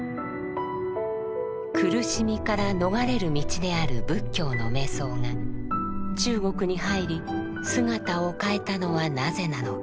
「苦しみから逃れる道」である仏教の瞑想が中国に入り姿を変えたのはなぜなのか。